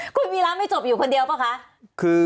คุณวิรัติไม่จบอยู่คนเดียวเปล่าคะ